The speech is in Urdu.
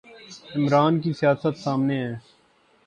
عمران کی سیاست سامنے ہے۔